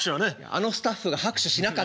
あのスタッフが拍手しなかった。